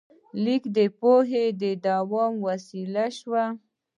لیک د پوهې د دوام وسیله شوه.